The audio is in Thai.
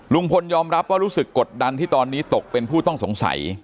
ลุงพลยอมรับว่ารู้สึกกดดันที่ตอนนี้ตกเป็นผู้ต้องสงสัย